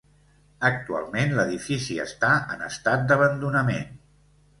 Actualment l'edifici està en estat d'abandonament.